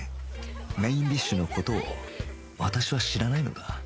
メインディッシュの事を私は知らないのだ